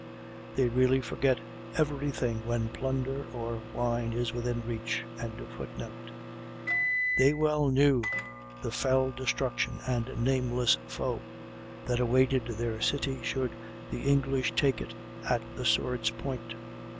"They really forget every thing when plunder or wine is within reach."]; they well knew the fell destruction and nameless woe that awaited their city should the English take it at the sword's point.